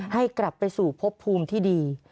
ให้กลับไปสู่พบภูมิที่ดี